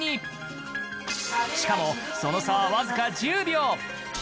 しかもその差は僅か１０秒。